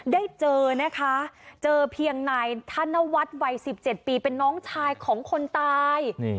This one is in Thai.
ได้เจอนะคะเจอเพียงนายธนวัฒน์วัย๑๗ปีเป็นน้องชายของคนตาย